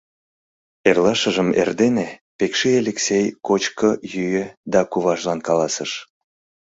Эрлашыжым эрдене Пекши Элексей кочко-йӱӧ да куважлан каласыш: